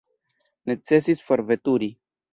Necesis forveturi.